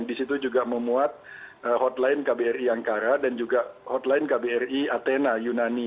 di situ juga memuat hotline kbri angkara dan juga hotline kbri atena yunani